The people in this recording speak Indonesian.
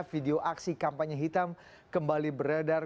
video aksi kampanye hitam kembali beredar